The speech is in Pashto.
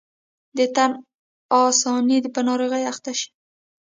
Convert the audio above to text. د تن آساني په ناروغۍ اخته شي.